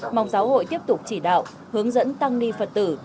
mong giáo hội tiếp tục chỉ đạo hướng dẫn tăng ni phật tử